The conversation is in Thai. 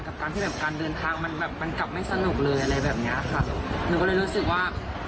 กับการที่แบบการเดินทางมันแบบมันกลับไม่สนุกเลยอะไรแบบเนี้ยค่ะหนูก็เลยรู้สึกว่า